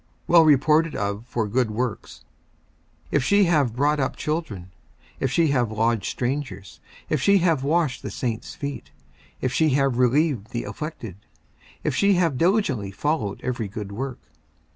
54:005:010 Well reported of for good works; if she have brought up children, if she have lodged strangers, if she have washed the saints' feet, if she have relieved the afflicted, if she have diligently followed every good work.